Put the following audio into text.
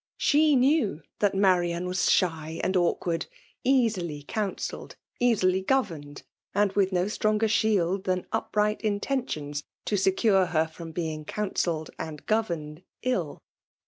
She knew that Marian was shy and awkward— easily counselled, carily governed, and with no stronger shield than upright intentions to secure her from being counselled and governed ill.